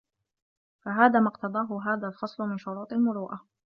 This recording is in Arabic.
فَهَذَا مَا اقْتَضَاهُ هَذَا الْفَصْلُ مِنْ شُرُوطِ الْمُرُوءَةِ